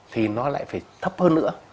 thì có thể thấp hơn nữa